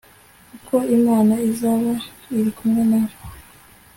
kuko imana izaba iri kumwe nawe